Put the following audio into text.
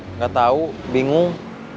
nggak tahu bingung